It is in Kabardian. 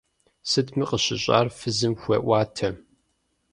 Сытми къыщыщӀар фызым хуеӀуатэ.